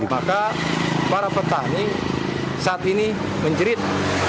maka para petani saat ini menjerit